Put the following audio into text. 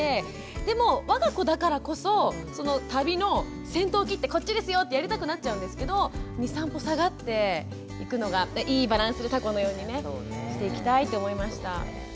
でもわが子だからこそ旅の先頭を切って「こっちですよ」ってやりたくなっちゃうんですけど２３歩下がっていくのがいいバランスのたこのようにねしていきたいと思いました。